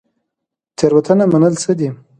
تیروتنه منل څه دي؟